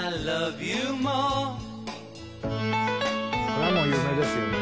これはもう有名ですよね。